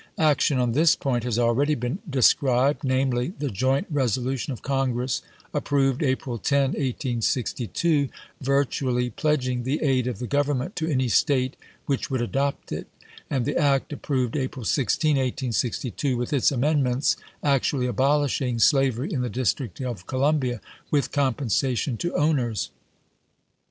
Action on this point has already been described, namely, the joint resolution of Congress, approved April 10, 1862, virtually pledg ing the aid of the Government to any State which would adopt it, and the act, approved April 16, 1862, with its amendments, actually abolishing slavery in the District of Columbia, with compensa tion to owners.